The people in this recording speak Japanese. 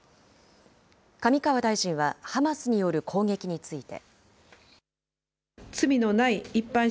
上川大臣は、ハマスによる攻撃について。